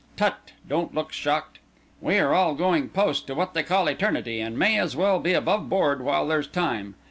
Tut! Don't look shocked! We are all going post to what they call eternity, and may as well be above board while there's time.